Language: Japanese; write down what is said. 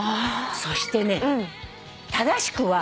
そしてね正しくは。